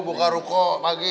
buka ruko pagi ya